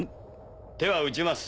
手は打ちます